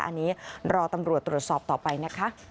อันนี้รอตำรวจตรวจสอบต่อไปนะคะ